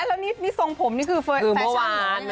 แล้วนี่ทรงผมคือเฟชั่นคือเมื่อวานเลย